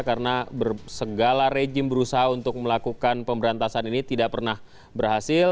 karena segala rejim berusaha untuk melakukan pemberantasan ini tidak pernah berhasil